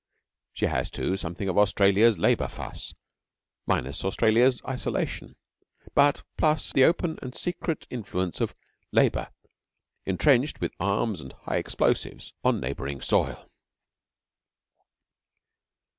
She has, too, something of Australia's labour fuss, minus Australia's isolation, but plus the open and secret influence of 'Labour' entrenched, with arms, and high explosives on neighbouring soil.